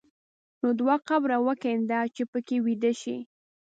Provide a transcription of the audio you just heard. نو دوه قبره وکینده چې په کې ویده شې.